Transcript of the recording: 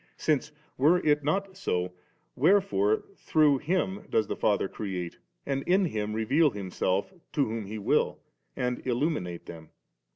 Since, were it not so, wherefore through Him does the Father create, and in Him reveal Himself to whom He will, and illuminate them?